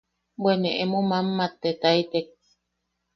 Bwe ne emo mammattetaitek.